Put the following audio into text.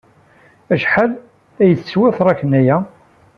Acḥal ay teswa tṛakna-a?